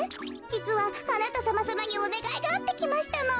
じつはあなたさまさまにおねがいがあってきましたの。